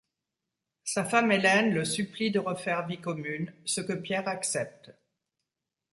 Sa femme Hélène le supplie de refaire vie commune, ce que Pierre accepte.